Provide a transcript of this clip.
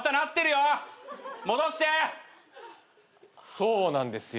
そうなんですよ。